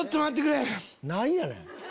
何やねん！